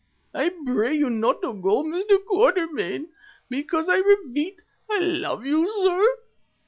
I pray you not to go, Mr. Quatermain, because I repeat, I love you, sir."